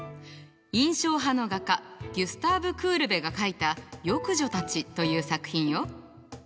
印象派の画家ギュスターヴ・クールベが描いた「浴女たち」という作品よ。